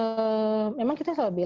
eee memang kita selalu berpikir